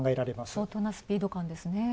相当なスピード感ですね。